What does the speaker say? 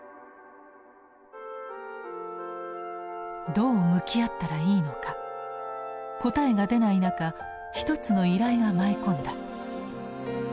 どう向き合ったらいいのか答えが出ない中ひとつの依頼が舞い込んだ。